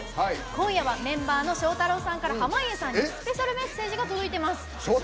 今夜はメンバーのショウタロウさんから濱家さんにスペシャルメッセージが届いています。